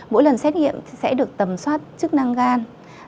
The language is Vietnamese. mỗi lần xét nghiệm sẽ được tầm soát chức năng gan